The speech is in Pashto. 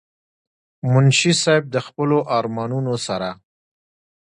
منشي صېب د خپلو ارمانونو سره